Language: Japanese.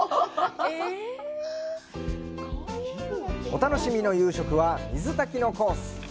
お楽しみの夕食は水炊きのコース。